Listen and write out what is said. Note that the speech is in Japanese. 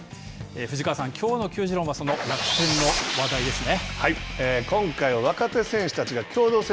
藤川さん、きょうの球自論は楽天の話題ですね。